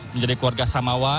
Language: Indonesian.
menjadi keluarga samawa